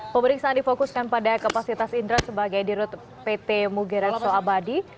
pemeriksaan difokuskan pada kapasitas indra sebagai dirut pt mugerekso abadi